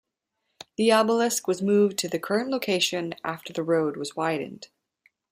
The obelisk was moved to the current location after the road was widened.